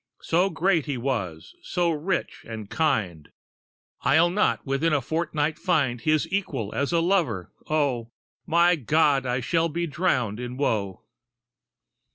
So great he was, so rich and kind, I'll not within a fortnight find His equal as a lover. O, My God! I shall be drowned in woe!"